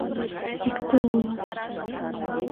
Икте уло.